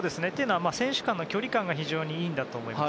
選手間の距離感が非常にいいんだと思います。